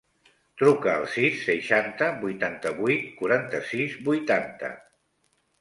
Truca al sis, seixanta, vuitanta-vuit, quaranta-sis, vuitanta.